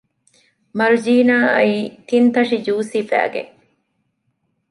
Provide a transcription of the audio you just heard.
މަރުޖީނާ އައީ ތިން ތަށި ޖޫސް ހިފައިގެން